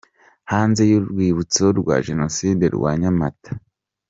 Hanze y'Urwibutso rwa Jenoside rwa Nyamata.